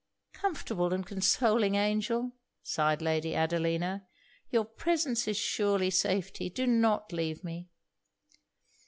'Comfortable and consoling angel!' sighed Lady Adelina 'your presence is surely safety. Do not leave me!'